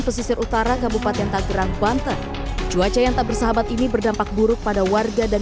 pesisir utara kabupaten tanggerang banten cuaca yang tak bersahabat ini berdampak buruk pada warga dan